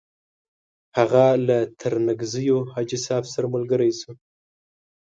هغه له ترنګزیو حاجي صاحب سره ملګری شو.